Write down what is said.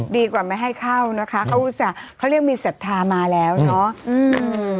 ดีกว่าไม่ให้เข้านะคะเขาเรียกมีศรัทธามาแล้วเนอะ